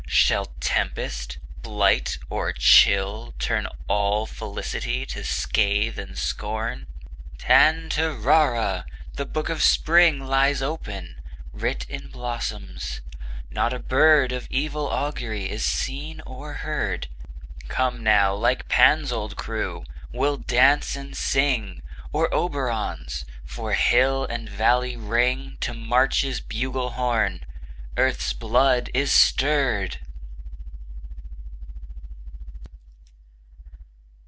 Shall tempest, blight, or chill Turn all felicity to scathe and scorn? Tantarrara! the joyous Book of Spring Lies open, writ in blossoms; not a bird Of evil augury is seen or heard: Come now, like Pan's old crew, we'll dance and sing, Or Oberon's: for hill and valley ring To March's bugle horn, Earth's blood is stirred.